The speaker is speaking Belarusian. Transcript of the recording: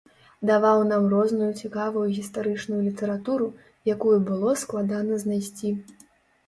Даваў нам розную цікавую гістарычную літаратуру, якую было складана знайсці.